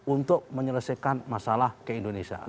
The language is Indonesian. untuk menyelesaikan masalah ke indonesia